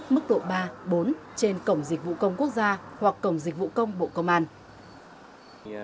mức độ ba bốn trên cổng dịch vụ công quốc gia hoặc cổng dịch vụ công bộ công an